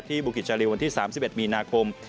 บุกิจจาริววันที่๓๑มีนาคม